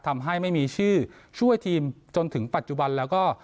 ทำให้ไม่มีชื่อช่วยทีมจนถึงปัจจุบันแล้วก็